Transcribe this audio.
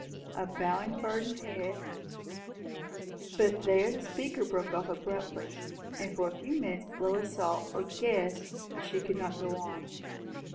'A bowing, burdened head '" But here the speaker broke off abruptly, and for a few minutes Lois saw, or guessed, that she could not go on.